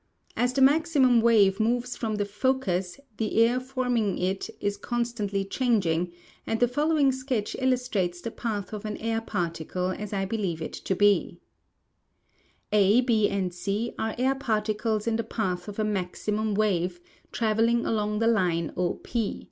As the maximum wave moves from the focus, the air forming it is constantly changing, and the following sketch illustrates the path of an air particle as I believe it to be : A, B, and Care air particles in the })ath of a maximum wave traveling along the line 0 P.